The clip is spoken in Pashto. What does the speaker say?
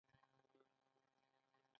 دوی په افغانستان کې سړکونه جوړ کړل.